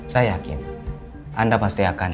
saya yakin anda pasti akan